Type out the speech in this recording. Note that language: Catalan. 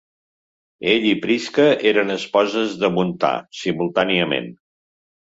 Ella i Prisca eren esposes de Montà simultàniament.